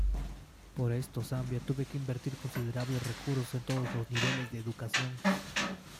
Por esto, Zambia tuve que invertir considerables recursos en todos los niveles de educación.